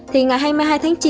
thì ngày hai mươi hai tháng chín